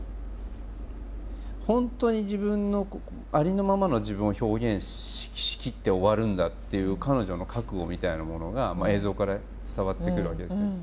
本当に自分のありのままの自分を表現しきって終わるんだっていう彼女の覚悟みたいなものが映像から伝わってくるわけですね。